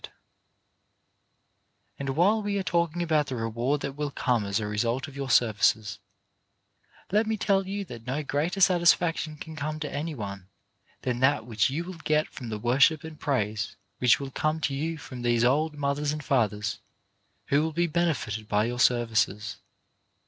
2oo CHARACTER BUILDING And while we are talking about the reward that will come as a result of your services, let me tell you that no greater satisfaction can come to any one than that which you will get from the worship and praise which will come to you from these old mothers and fathers who will be benefited by your services.